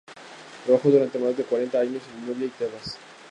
Trabajó durante más de cuarenta años en Nubia y Tebas.